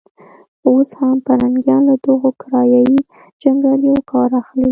اوس هم پرنګيان له دغو کرایه يي جنګیالیو کار اخلي.